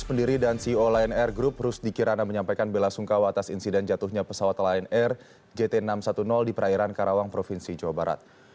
pendiri dan ceo lion air group rusdi kirana menyampaikan bela sungkawa atas insiden jatuhnya pesawat lion air jt enam ratus sepuluh di perairan karawang provinsi jawa barat